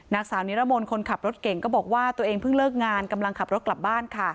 นางสาวนิรมนต์คนขับรถเก่งก็บอกว่าตัวเองเพิ่งเลิกงานกำลังขับรถกลับบ้านค่ะ